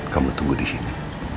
kamu tunggu disini